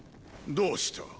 どうした。